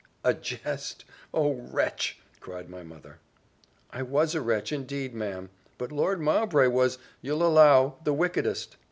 "A jest! Oh, wretch!" cried my mother. "I was a wretch, indeed, ma'am; but Lord Mowbray was, you'll allow, the wickedest."